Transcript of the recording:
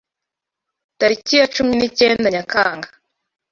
Tariki ya cumi nicyenda Nyakanga: